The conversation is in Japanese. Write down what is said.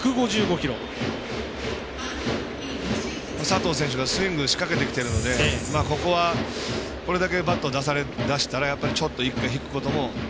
佐藤選手がスイングしかけてきてるのでここはこれだけバットを出したらちょっと１回引くことも。